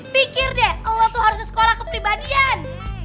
pikir deh elo tuh harus disekolah kepribadian